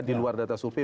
di luar data survei